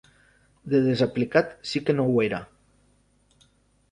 De desaplicat si que no ho era.